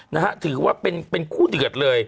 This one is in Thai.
นะฮะถือว่าเป็นคู่เดือดเลย